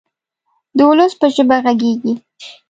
د ولس په ژبه غږیږي.